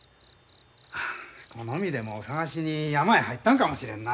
木の実でも探しに山へ入ったんかもしれんな。